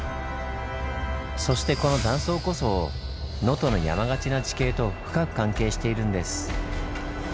そしてこの断層こそ能登の山がちな地形と深く関係しているんです。